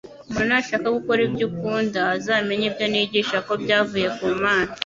Umuntu nashaka gukora ibyo Ikunda, azamenya ibyo nigisha ko byavuye ku Mana,